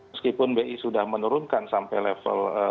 meskipun bi sudah menurunkan sampai level